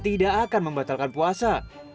tidak akan membatalkan puasa